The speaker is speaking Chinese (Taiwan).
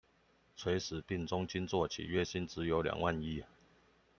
垂死病中驚坐起，月薪只有兩萬一